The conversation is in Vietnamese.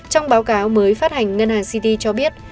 trong báo cáo mới phát hành ngân hàng ct cho biết